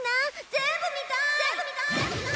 全部見たい！